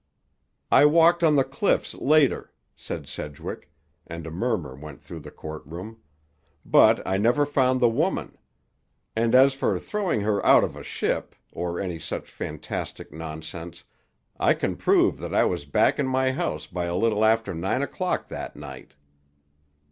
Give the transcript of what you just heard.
"I walked on the cliffs later," said Sedgwick, and a murmur went through the court room; "but I never found the woman. And as for throwing her out of a ship, or any such fantastic nonsense, I can prove that I was back in my house by a little after nine o'clock that night."